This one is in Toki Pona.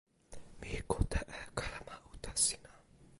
mi kute e kalama uta sina.